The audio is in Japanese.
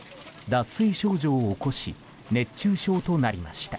脱水症状を起こし熱中症となりました。